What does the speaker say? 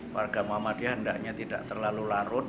warga muhammadiyah hendaknya tidak terlalu larut